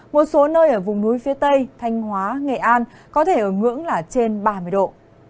một số nơi ở vùng núi phía tây thanh hóa nghệ an có thể ở ngưỡng là trên ba mươi độ